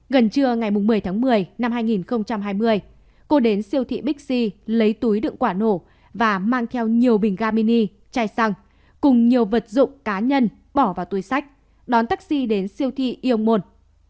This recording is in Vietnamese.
gần trưa ngày một mươi một mươi hai nghìn hai mươi cô đến siêu thị big c lấy túi đựng quả nổ và mang theo nhiều bình garmini chai xăng cùng nhiều vật dụng cá nhân bỏ vào túi sách đón taxi đến siêu thị yêu môn